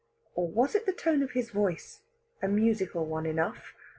Or was it the tone of his voice a musical one enough?